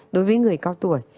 đối với người cao tuổi